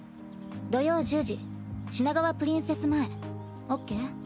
土曜１０時品川プリンセス前オッケー？